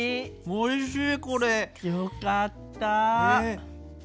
おいしい！